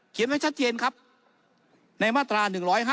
เขียนไว้ชัดเจนครับในมาตรา๑๕๑